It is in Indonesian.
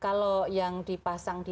kalau yang dipasang di dua ribu dua puluh